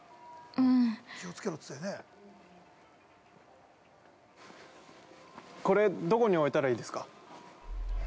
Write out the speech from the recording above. ◆これ、どこに置いたらいいですか？